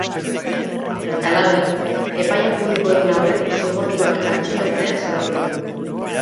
Halaber, epaia publiko egin aurretik zigortuak atxilotzea salatu du.